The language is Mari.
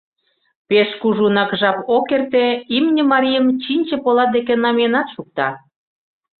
Пеш кужунак жап ок эрте — имне марийым чинче полат деке намиенат шукта.